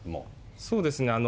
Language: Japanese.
そうですね。